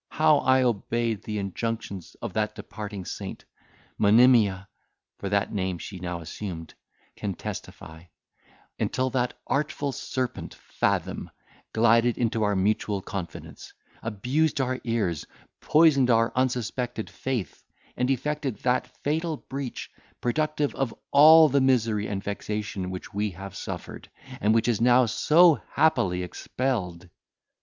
How I obeyed the injunctions of that departing saint, Monimia (for that name she now assumed) can testify, until that artful serpent Fathom glided into our mutual confidence, abused our ears, poisoned our unsuspected faith, and effected that fatal breach, productive of all the misery and vexation which we have suffered, and which is now so happily expelled."